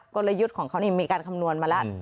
กลยุทธ์ของเขานี่มีการคำนวณมาแล้ว